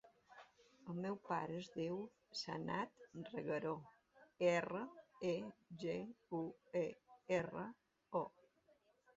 El meu pare es diu Sanad Reguero: erra, e, ge, u, e, erra, o.